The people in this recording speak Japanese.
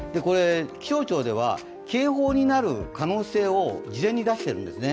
気象庁では警報になる可能性を事前に出しているんですね。